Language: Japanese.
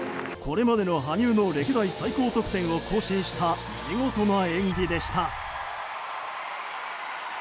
これまでの羽生の歴代最高得点を更新した見事な演技でした。